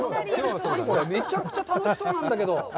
めちゃくちゃ楽しそうなんだけど。